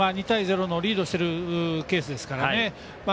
２対０のリードしてるケースですからね。